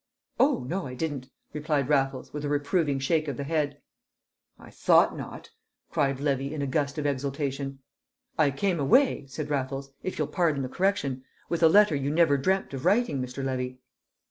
"Oh, no, I didn't," replied Raffles, with a reproving shake of the head. "I thought not!" cried Levy in a gust of exultation. "I came away," said Raffles, "if you'll pardon the correction, with the letter you never dreamt of writing, Mr. Levy!"